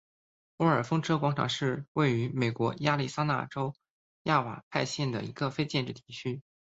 沃克风车广场是位于美国亚利桑那州亚瓦派县的一个非建制地区。